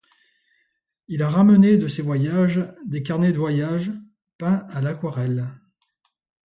Il a ramené de ses voyages des carnets de voyage, peints à l'aquarelle.